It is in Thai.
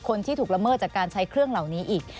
คนที่ถูกละเมิดจากการใช้เครื่องเหล่านี้อีก